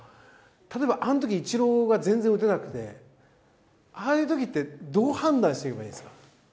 例えばあの時イチローが全然打てなくてああいう時ってどう判断していけばいいんですか？